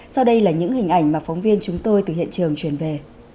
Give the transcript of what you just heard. sau đây là những hình ảnh mà phóng viên chúng tôi từ hiện trường chuyển về